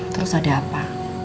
terus ada apa